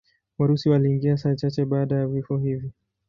Warusi waliingia saa chache baada ya vifo hivi.